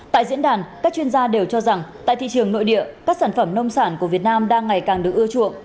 tại diễn đàn các chuyên gia đều cho rằng tại thị trường nội địa các sản phẩm nông sản của việt nam đang ngày càng được ưa chuộng